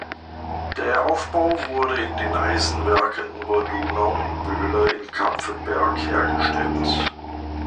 Der Aufbau wurde in den Eisenwerken Oberdonau und Böhler in Kapfenberg hergestellt.